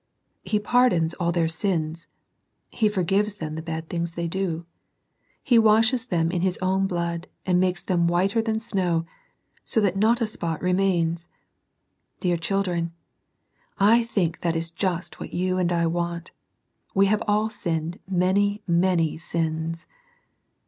He pardons all their sins. He forgives all the bad things they do. He washes them in His own blood, and makes them whiter than snow, so that not a spot remains. Dear children, I think that is just what you and I want We have all sinned many many sins.